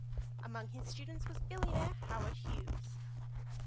Among his students was billionaire Howard Hughes.